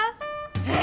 え！